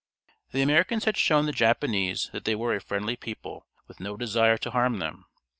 The Americans had shown the Japanese that they were a friendly people, with no desire to harm them.